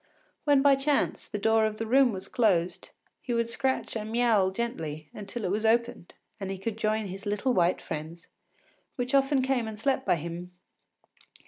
When by chance the door of the room was closed, he would scratch and miaoul gently until it was opened and he could join his little white friends, which often came and slept by him.